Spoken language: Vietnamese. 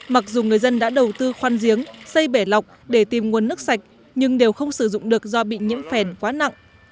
mặc dù người dân đã đầu tư khoan giếng xây bể lọc để tìm nguồn nước sạch nhưng đều không sử dụng được do bị nhiễm phèn quá nặng